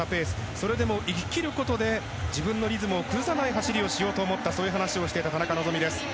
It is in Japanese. それでも行ききることで自分のリズムを崩さない走りをしようと思ったと話していた田中希実。